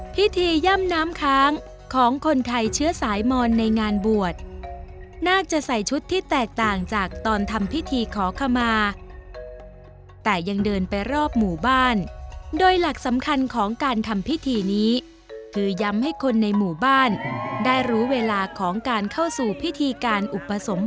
ย่ำน้ำค้างของคนไทยเชื้อสายมอนในงานบวชน่าจะใส่ชุดที่แตกต่างจากตอนทำพิธีขอขมาแต่ยังเดินไปรอบหมู่บ้านโดยหลักสำคัญของการทำพิธีนี้คือย้ำให้คนในหมู่บ้านได้รู้เวลาของการเข้าสู่พิธีการอุปสม